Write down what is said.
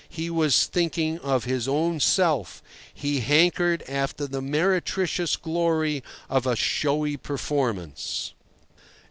He was thinking of his own self; he hankered after the meretricious glory of a showy performance.